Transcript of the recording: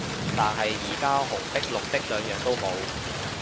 但係而家紅的綠的兩樣都冇